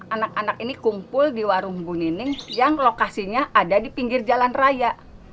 anak anak ini kumpul di warung bu nining yang lokasinya ada di pinggir jalan raya